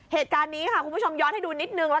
เหตุการณ์นี้ค่ะคุณผู้ชมย้อนให้ดูนิดนึง